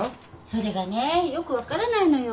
それがねよく分からないのよ。